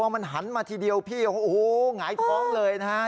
มันหันมาทีเดียวพี่เขาโอ้โหหงายท้องเลยนะฮะ